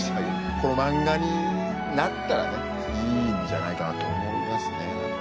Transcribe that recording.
この漫画になったらねいいんじゃないかなって思いますね。